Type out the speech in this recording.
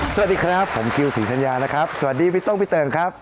สวัสดีครับผมคิวศรีธัญญานะครับสวัสดีพี่ต้งพี่เติ่งครับ